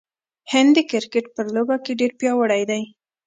هند د کرکټ په لوبه کې ډیر پیاوړی دی.